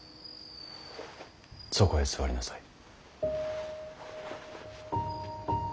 そこへ座りなさい。